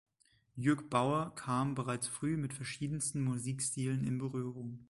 Jürg Baur kam bereits früh mit verschiedensten Musikstilen in Berührung.